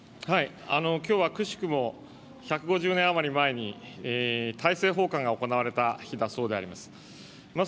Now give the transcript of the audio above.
きょうは奇しくも１５０年余り前に大政奉還が行われた日だそうであります。